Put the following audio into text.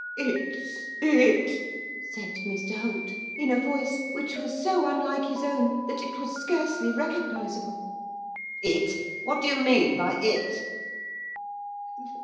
'It's it,' said Mr Holt, in a voice which was so unlike his own that it was scarcely recognisable. 'It? What do you mean by it?